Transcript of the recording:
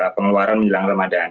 pengeluaran menjelang ramadhan